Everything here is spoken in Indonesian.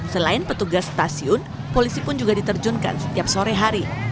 selain petugas stasiun polisi pun juga diterjunkan setiap sore hari